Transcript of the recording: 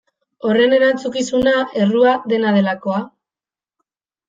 Horren erantzukizuna, errua, dena delakoa?